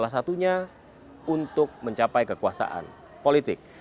salah satunya untuk mencapai kekuasaan politik